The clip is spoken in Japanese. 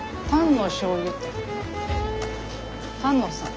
丹野さん。